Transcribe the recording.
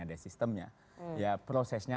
ada sistemnya ya prosesnya